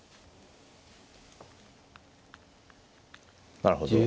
なるほど。